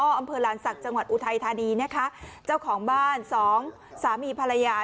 อำเภอลานศักดิ์จังหวัดอุทัยธานีนะคะเจ้าของบ้านสองสามีภรรยา